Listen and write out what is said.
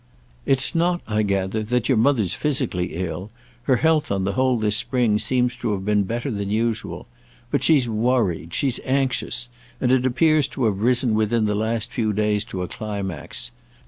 "It's not, I gather, that your mother's physically ill; her health, on the whole, this spring, seems to have been better than usual. But she's worried, she's anxious, and it appears to have risen within the last few days to a climax.